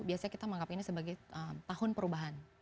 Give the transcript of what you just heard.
biasanya kita menganggap ini sebagai tahun perubahan